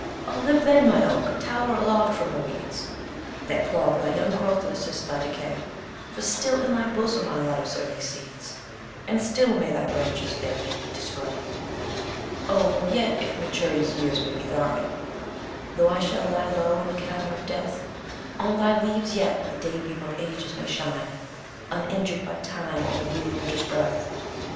6. Oh, live then, my Oak! tow'r aloft from the weeds, That clog thy young growth, and assist thy decay, For still in thy bosom are Life's early seeds, And still may thy branches their beauty display. 7. Oh! yet, if Maturity's years may be thine, Though I shall lie low in the cavern of Death, On thy leaves yet the day beam of ages may shine, [i] Uninjured by Time, or the rude Winter's breath.